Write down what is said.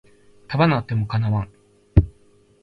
束なっても叶わん